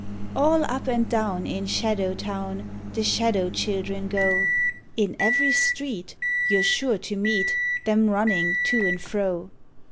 All up and down in shadow town The shadow children go; In every street you 're sure to meet Them running to and fro.